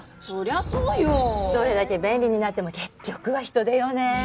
そりゃそうよどれだけ便利になっても結局は人手よね